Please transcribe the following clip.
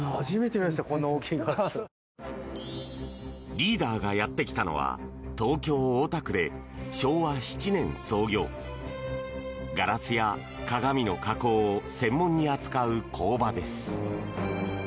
リーダーがやってきたのは東京・大田区で昭和７年創業ガラスや鏡の加工を専門に扱う工場です。